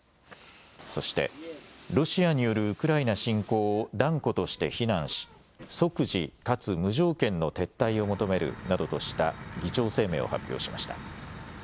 そしてロシアによるウクライナ侵攻を断固として非難し、即時かつ無条件の撤退を求めるなどとした議長声明を発表しました。